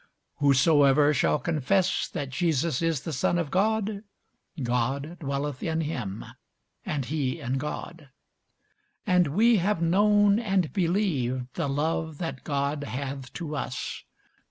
Whosoever shall confess that Jesus is the Son of God, God dwelleth in him, and he in God. And we have known and believed the love that God hath to us.